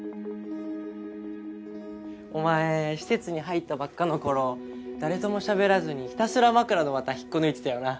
お前施設に入ったばっかの頃誰ともしゃべらずにひたすら枕の綿引っこ抜いてたよな。